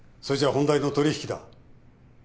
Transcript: それじゃあ本題の取引だ。